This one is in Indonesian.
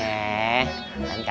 selamat malam kali ya